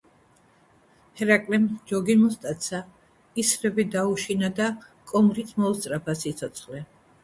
ჰერაკლემ ჯოგი მოსტაცა, ისრები დაუშინა და კომბლით მოუსწრაფა სიცოცხლე.